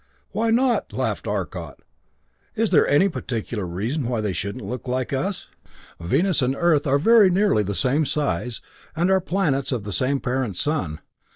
"Why not?" laughed Arcot. "Is there any particular reason why they shouldn't look like us? Venus and Earth are very nearly the same size, and are planets of the same parent sun.